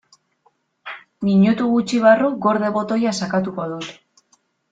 Minutu gutxi barru "gorde" botoia sakatuko dut.